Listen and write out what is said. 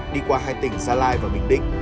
đi qua hai tỉnh gia lai và bình định